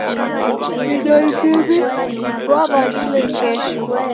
Vidoi viw'i vaw'adilo ikesho.